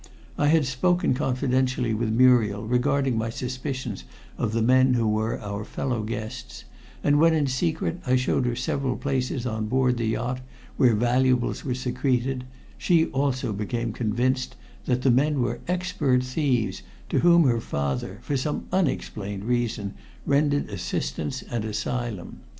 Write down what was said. I had spoken confidentially with Muriel regarding my suspicions of the men who were our fellow guests, and when in secret I showed her several places on board the yacht where valuables were secreted, she also became convinced that the men were expert thieves to whom her father, for some unexplained reason, rendered assistance and asylum.